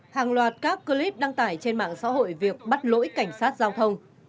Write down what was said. hàng loạt các clip đăng tải trên mạng xã hội việc bắt lỗi cảnh sát giao thông